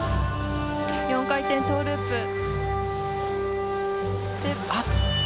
４回転トウループ。